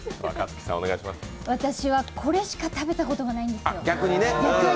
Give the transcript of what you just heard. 私はこれしか食べたことがないんですよ。